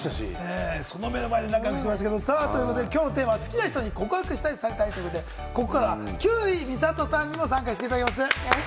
その目の前で複雑ですけれども、きょうのテーマは好きな人に告白したい・されたいということで、ここからは休井美郷さんにも参加していただきます。